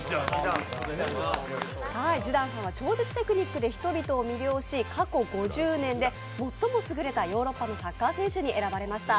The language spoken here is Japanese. ジダンさんは超絶テクニックで人々を魅了し過去５０年で最もすぐれたヨーロッパのサッカー選手に選ばれました。